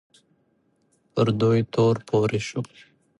پر دوی تور پورې شو